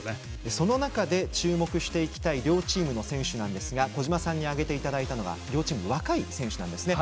その中で注目していきたい両チームの選手なんですが小島さんに挙げていただいたのは両チーム、若い選手なんですね。